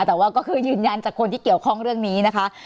แต่ว่าก็คือยืนยันจากคนที่เกี่ยวข้องเรื่องนี้นะคะ